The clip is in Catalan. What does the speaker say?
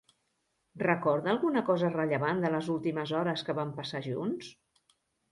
Recorda alguna cosa rellevant de les últimes hores que van passar junts?